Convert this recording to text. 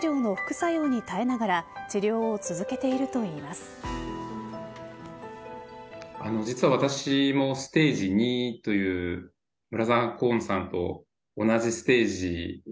現在は、抗がん剤治療の副作用に耐えながら治療を続けているといいます。